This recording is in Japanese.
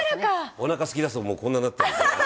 おなかすきだすともうこんなになっちゃう。